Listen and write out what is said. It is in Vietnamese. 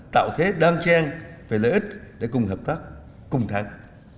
tạo thế đan trang về lợi ích để cùng hợp tác cùng thắng